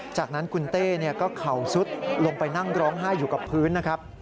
จากนั้นคุณเต้ก็เข่าซุดลงไปนั่งร้องไห้อยู่กับพื้นนะครับ